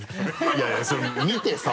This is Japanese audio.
いやいやそれ見てさ。